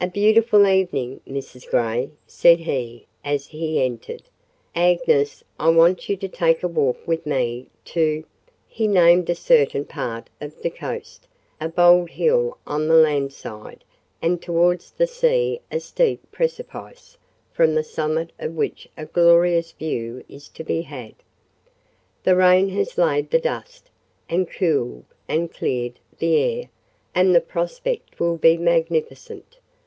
"A beautiful evening, Mrs. Grey!" said he, as he entered. "Agnes, I want you to take a walk with me to ——" (he named a certain part of the coast—a bold hill on the land side, and towards the sea a steep precipice, from the summit of which a glorious view is to be had). "The rain has laid the dust, and cooled and cleared the air, and the prospect will be magnificent.